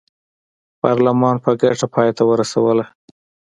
پارلمان په ګټه پای ته ورسوله.